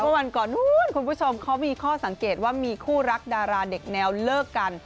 วันก่อนนู้นคุณผู้ชมเขามีข้อสังเกตว่ามีคู่รักดาราเด็กแนวเลิกกัน